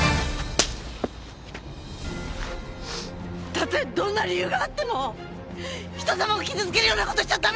たとえどんな理由があっても人様を傷つけるような事しちゃ駄目じゃないの！